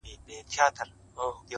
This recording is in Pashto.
o ستا پۀ وادۀ كې جېنكو بېګاه چمبه وهله,